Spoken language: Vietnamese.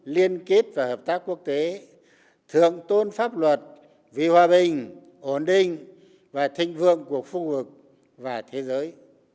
liên kết và hợp tác quốc tế thượng tôn pháp luật vì hòa bình ổn định và thịnh vượng của khu vực và thế giới